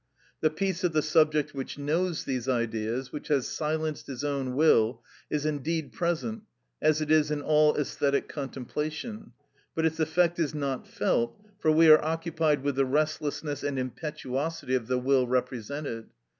The peace of the subject which knows these Ideas, which has silenced its own will, is indeed present, as it is in all æsthetic contemplation; but its effect is not felt, for we are occupied with the restlessness and impetuosity of the will represented.